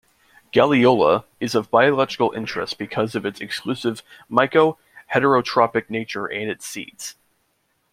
"Galeola" is of biological interest because of its exclusive myco-heterotrophic nature and its seeds.